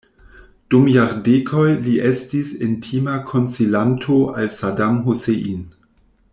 Dum jardekoj li estis intima konsilanto al Saddam Hussein.